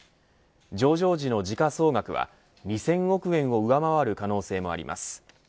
上場時の時価総額は２０００億円を上回る可能性もあります。